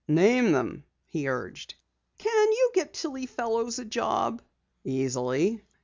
"Name them," he urged. "Can you get Tillie Fellows a job?" "Easily."